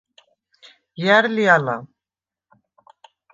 ჲა̈რ ლი ალა?